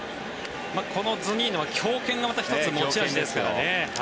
このズニーノは強肩がまた１つ、持ち味ですからね。